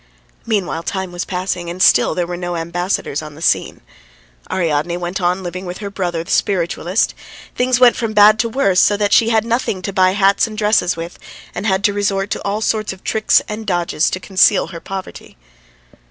Meanwhile time was passing, and still there were no ambassadors on the scene. Ariadne went on living with her brother, the spiritualist: things went from bad to worse, so that she had nothing to buy hats and dresses with, and had to resort to all sorts of tricks and dodges to conceal her poverty.